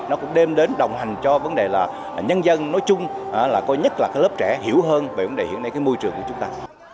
nó cũng đem đến đồng hành cho vấn đề là nhân dân nói chung là coi nhất là các lớp trẻ hiểu hơn về vấn đề hiện nay cái môi trường của chúng ta